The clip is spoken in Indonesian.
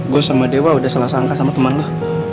gue sama dewa udah salah sangka sama temen lo